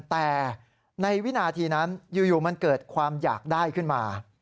แต่ในวินาทีนั้นอยู่มันเกิดความอยากได้ขึ้นมา